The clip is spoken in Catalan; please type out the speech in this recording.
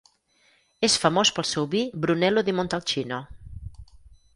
És famós pel seu vi Brunello di Montalcino.